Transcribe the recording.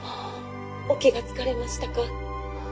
「お気が付かれましたか」。